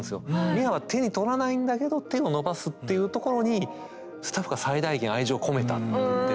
ミアは手に取らないんだけど手を伸ばすっていうところにスタッフが最大限愛情を込めたって言ってて。